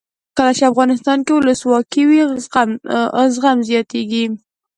کله چې افغانستان کې ولسواکي وي زغم زیاتیږي.